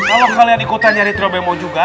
kalo kalian ikutan cari trio bmo juga